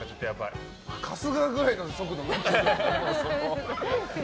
春日ぐらいの速度になってる。